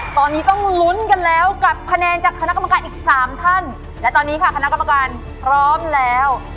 ตอนนี้ต้องลุ้นกันแล้วกับคะแนนจากคณะกรรมการอีกสามท่านและตอนนี้ค่ะคณะกรรมการพร้อมแล้ว